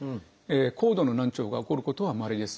高度な難聴が起こることはまれです。